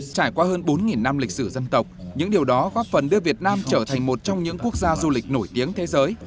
trải qua hơn bốn năm lịch sử dân tộc những điều đó góp phần đưa việt nam trở thành một trong những quốc gia du lịch nổi tiếng thế giới